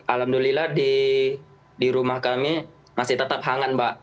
alhamdulillah di rumah kami masih tetap hangat mbak